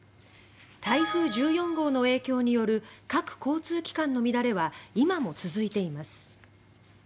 台風１４号の影響による各交通機関の乱れは今も続いています。